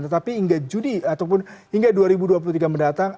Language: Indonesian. tetapi hingga juni ataupun hingga dua ribu dua puluh tiga mendatang